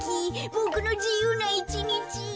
ボクのじゆうないちにち。